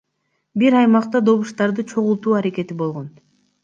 Бир аймакта добуштарды чогултуу аракети болгон.